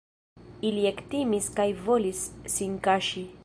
Ili ektimis kaj volis sin kaŝi.